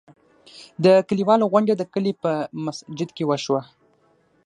د کلیوالو غونډه د کلي په مسجد کې وشوه.